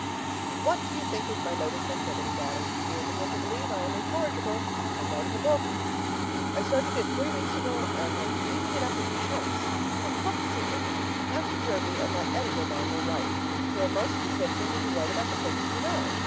What do you think is my latest activity, Daddy? You will begin to believe that I am incorrigible I am writing a book. I started it three weeks ago and am eating it up in chunks. I've caught the secret. Master Jervie and that editor man were right; you are most convincing when you write about the things you know.